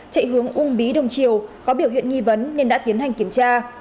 chạy hướng ung bí đồng chiều có biểu hiện nghi vấn nên đã tiến hành kiểm tra